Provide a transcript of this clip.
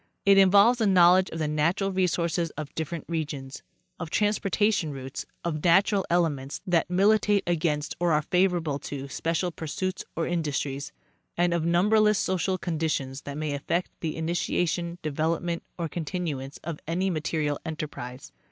It involves a knowledge of the natural resources of different regions, of transportation routes, of natural elements that militate against or are favorable to special pursuits or indus tries, and of numberless social conditions that may affect the ini tiation, development or continuance of any material enterprise.